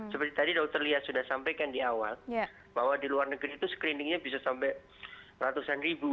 seperti tadi dokter lia sudah sampaikan di awal bahwa di luar negeri itu screeningnya bisa sampai ratusan ribu